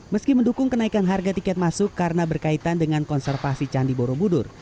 meski mendukung kenaikan harga tiket masuk karena berkaitan dengan konservasi candi borobudur